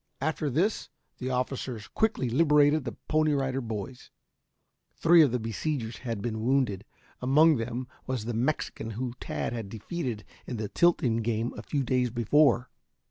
After this the officers quickly liberated the Pony Rider Boys. Three of the besiegers had been wounded. Among them, was the Mexican whom Tad had defeated in the tilting game a few days before.